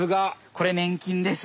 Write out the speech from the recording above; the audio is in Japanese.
これねん菌です。